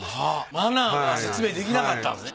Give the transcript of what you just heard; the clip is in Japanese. マナーが説明できなかったんですね。